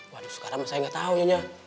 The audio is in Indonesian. waduh sekarang emak saya enggak tahu nyonya